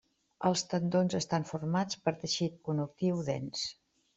Els tendons estan formats per teixit connectiu dens.